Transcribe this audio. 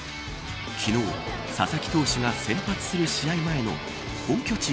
昨日、佐々木投手が先発する試合前の本拠地ＺＯＺＯ